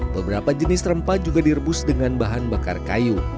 beberapa jenis rempah juga direbus dengan bahan bakar kayu